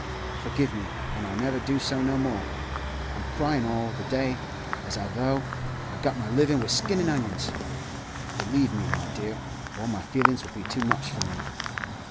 Forgive me, and I'll never do so no more. I'm cryin' all the day, as though I got my livin' wi' skinnin' onions. Relieve me, my dear, or my feelin's will be too much for me.